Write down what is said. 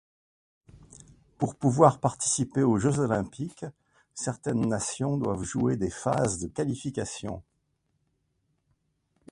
Pour pouvoir participer aux Jeux olympiques, certaines nations doivent jouer des phases de qualification.